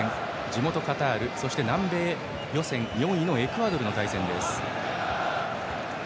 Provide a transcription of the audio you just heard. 地元カタールそして南米予選４位のエクアドルの対戦です。